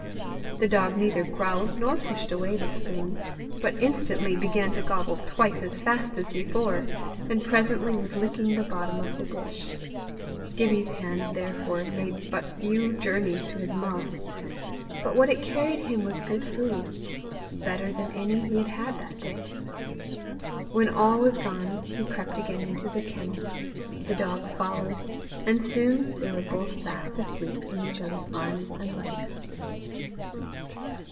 The dog neither growled nor pushed away the spoon, but instantly began to gobble twice as fast as before, and presently was licking the bottom of the dish. Gibbie's hand, therefore, made but few journeys to his mouth, but what it carried him was good food better than any he had had that day. When all was gone he crept again into the kennel; the dog followed, and soon they were both fast asleep in each other's arms and legs.